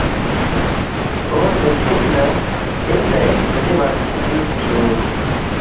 اونگسے ہلتیک نہ اِن نہ اِن کھُوتی بادشی بُو اِںسُوک